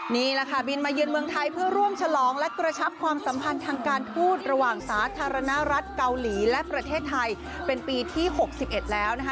นี่แหละค่ะบินมาเยือนเมืองไทยเพื่อร่วมฉลองและกระชับความสัมพันธ์ทางการทูตระหว่างสาธารณรัฐเกาหลีและประเทศไทยเป็นปีที่๖๑แล้วนะคะ